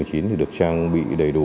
thì được trang bị đầy đủ